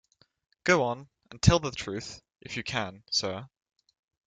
Go on, and tell the truth, if you can, sir.